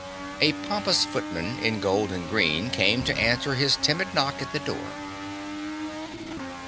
A pompous footman in gold and green came to answer his timid knock at the door.